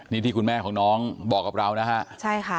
นี่ที่คุณแม่ของน้องบอกกับเรานะฮะใช่ค่ะ